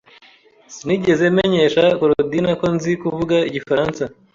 Sinigeze menyesha Korodina ko nzi kuvuga igifaransa.